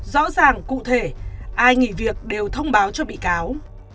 rõ ràng cụ thể ai nghỉ việc đều thông báo cho bị cáo